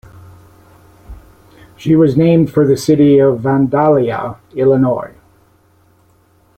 She was named for the city of Vandalia, Illinois.